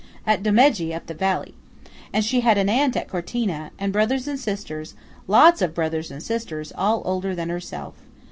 At Domegge, up the valley. And she had an aunt at Cortina; and brothers and sisters–lots of brothers and sisters, all older than herself.